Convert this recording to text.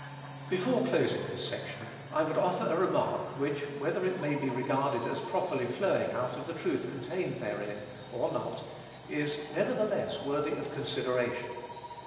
Before closing this section, I would offer a remark, which, whether it may be regarded as properly flowing out of the truth contained therein, or not, is nevertheless worthy of consideration.